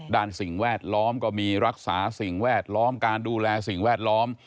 สิ่งแวดล้อมก็มีรักษาสิ่งแวดล้อมการดูแลสิ่งแวดล้อม